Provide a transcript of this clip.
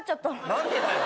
何でだよ。